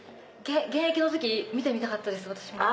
現役の時見てみたかったです私も。